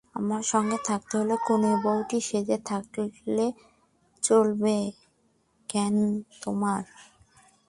আমার সঙ্গে থাকতে হলে কনেবৌটি সেজে থাকলে চলবে কেন তোমার?